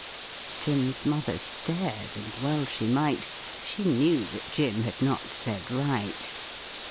Jim's mother stared, and well she might; She knew that Jim had not said right.